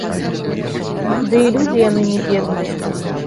Ды і людзі яны не бедныя.